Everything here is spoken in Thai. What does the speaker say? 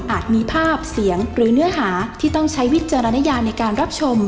มีภาพเสียงหรือเนื้อหาที่ต้องใช้วิจารณญาในการรับชม